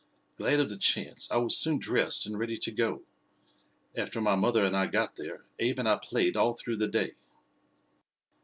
Glad of the chance, I was soon dressed and ready to go. After my mother and I got there, Abe and I played all through the day.